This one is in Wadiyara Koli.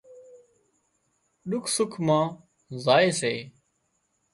ڏُک سُک مان زائي سي